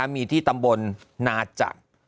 มีที่ตำบลนาจักร